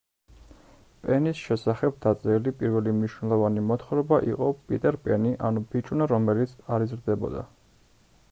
პენის შესახებ დაწერილი პირველი მნიშვნელოვანი მოთხრობა იყო „პიტერ პენი, ანუ ბიჭუნა, რომელიც არ იზრდებოდა“.